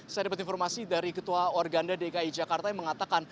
saya dapat informasi dari ketua organda dki jakarta yang mengatakan